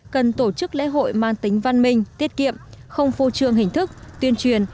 cần tổ chức lễ hội mang tính văn minh tiết kiệm không phô trương hình thức tuyên truyền